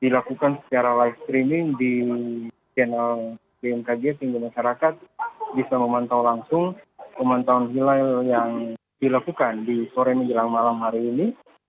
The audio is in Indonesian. dilakukan secara live streaming di channel bmkg sehingga masyarakat bisa memantau langsung pemantauan hilal yang dilakukan di sore menjelang malam hari ini